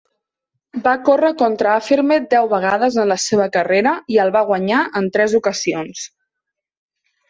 Va córrer contra Affirmed deu vegades en la seva carrera, i el va guanyar en tres ocasions.